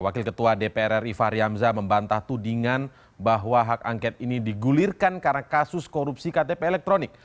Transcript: wakil ketua dpr ri fahri hamzah membantah tudingan bahwa hak angket ini digulirkan karena kasus korupsi ktp elektronik